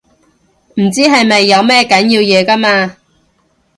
唔知係咪有咩緊要嘢㗎嘛